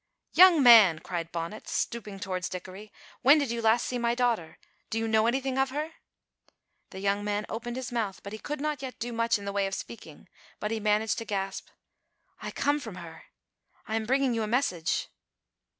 "Young man!" cried Bonnet, stooping towards Dickory, "when did you last see my daughter? Do you know anything of her?" The young man opened his mouth, but he could not yet do much in the way of speaking, but he managed to gasp, "I come from her, I am bringing you a message."